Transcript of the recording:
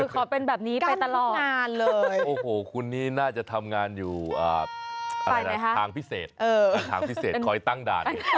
ขอเป็นแบบนี้ไปตลอดคุณนี้น่าจะทำงานอยู่ทางพิเศษคอยตั้งดาด